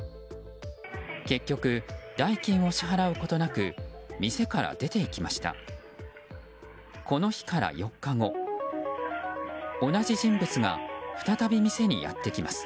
結局、代金を支払うことなく店から出て行きました。